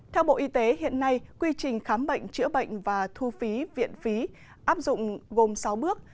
theo bộ y tế hiện nay quy trình khám bệnh chữa bệnh và thu phí viện phí áp dụng gồm sáu bước